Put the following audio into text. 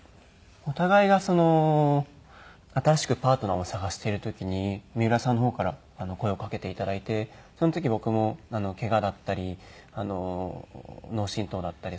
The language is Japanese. お互いが新しくパートナーを探している時に三浦さんの方から声をかけて頂いてその時僕もケガだったり脳振盪だったり。